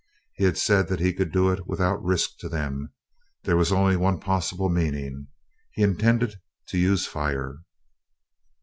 He had said he could do it without risk to them. There was only one possible meaning; he intended to use fire.